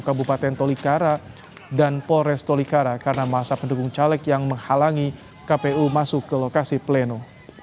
kabupaten tolikara dan polres tolikara karena masa pendukung caleg yang menghalangi kpu masuk ke lokasi pleno